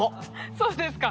そうですか。